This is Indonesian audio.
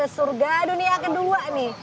surga dunia kedua nih